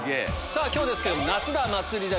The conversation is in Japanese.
さぁ今日ですけど。